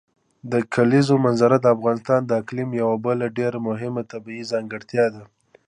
د کلیزو منظره د افغانستان د اقلیم یوه بله ډېره مهمه طبیعي ځانګړتیا ده.